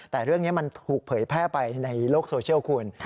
แต่เรื่องนี้มันถูกเผยแพร่ไปในโลกโซเชียลคุณ